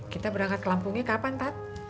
kita berangkat ke lampungnya kapan tat